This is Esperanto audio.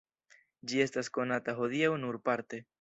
Ĝi estas konata hodiaŭ nur parte.